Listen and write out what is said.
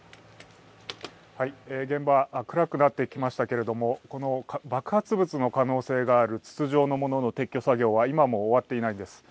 現場は暗くなってきましたけれども、爆発物の可能性がある筒状のものの撤去作業は今も終わっていないんです。